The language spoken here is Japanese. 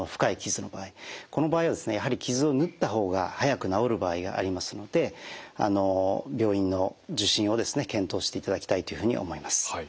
この場合はやはり傷を縫った方が早く治る場合がありますので病院の受診を検討していただきたいというふうに思います。